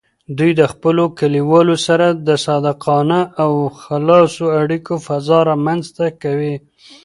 دوی د خپلو کلیوالو سره د صادقانه او خلاصو اړیکو فضا رامینځته کوي.